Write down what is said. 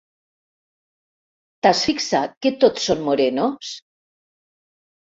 T'has fixat que tots són morenos?